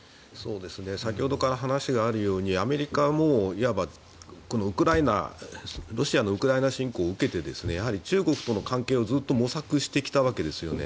先ほどから話があるようにアメリカもいわばロシアのウクライナ侵攻を受けてやはり中国との関係をずっと模索してきたわけです。